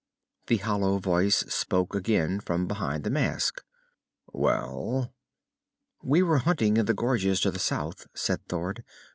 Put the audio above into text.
The hollow voice spoke again, from behind the mask. "Well?" "We were hunting in the gorges to the south," said Thord.